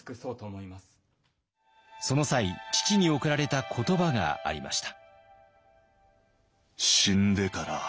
その際父におくられた言葉がありました。